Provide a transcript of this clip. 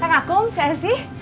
kak ngakum cesi